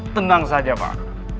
tenang saja pak